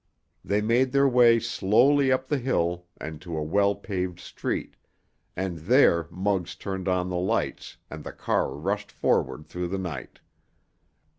They made their way slowly up the hill and to a well paved street, and there Muggs turned on the lights and the car rushed forward through the night.